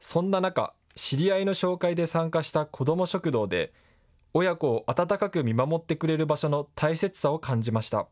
そんな中、知り合いの紹介で参加したこども食堂で親子を温かく見守ってくれる場所の大切さを感じました。